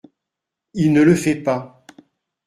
Il ne le fait pas.